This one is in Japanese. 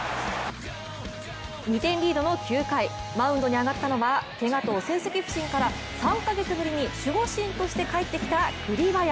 ２点リードの９回、マウンドに上がったのはけがと成績不振から３か月ぶりに守護神として帰ってきた栗林。